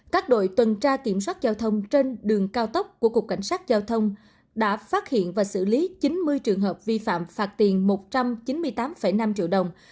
các đội tuần tra kiểm soát giao thông trên đường cao tốc của cục cảnh sát giao thông đã phát hiện và xử lý chín mươi trường hợp vi phạm phạt tiền một trăm chín mươi tám năm triệu đồng